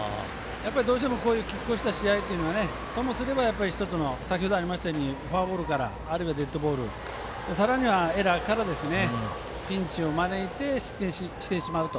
どうしてもこういうきっ抗した試合というのはともすれば、１つの先ほどありましたようにフォアボールからあるいはデッドボールさらにはエラーからピンチを招いて失点してしまうと。